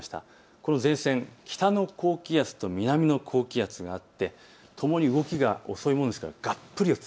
この前線、北の高気圧と南の高気圧があってともに動きが遅いですからがっぷり四つ。